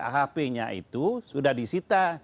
hp nya itu sudah disita